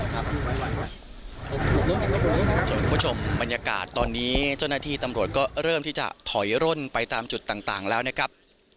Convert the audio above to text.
คุณผู้ชมบรรยากาศตอนนี้เจ้าหน้าที่ตำรวจก็เริ่มที่จะถอยร่นไปตามจุดต่างแล้วนะครับ